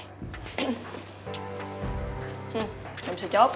hmm gak bisa jawab kan